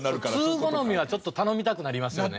通好みはちょっと頼みたくなりますよね。